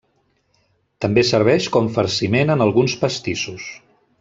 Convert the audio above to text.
També serveix com farciment en alguns pastissos.